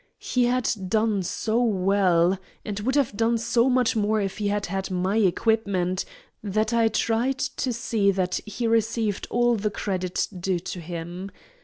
He had done so well, and would have done so much more if he had had my equipment, that I tried to see that he received all the credit due him.